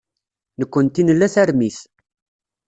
Nekkenti nla tarmit.